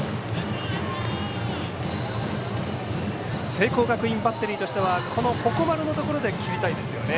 聖光学院バッテリーとしてはこの鉾丸のところで切りたいですよね。